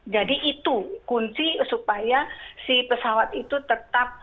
jadi itu kunci supaya si pesawat itu tetap